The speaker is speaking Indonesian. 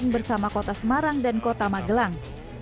bersama kota semarang dan kota magelang